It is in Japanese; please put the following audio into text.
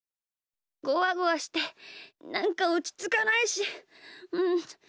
ゴワゴワしてなんかおちつかないしちょっといたい。